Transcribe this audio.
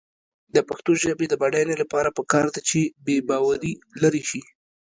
د پښتو ژبې د بډاینې لپاره پکار ده چې بېباوري لرې شي.